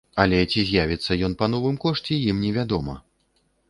Але ці з'явіцца ён па новым кошце ім не вядома.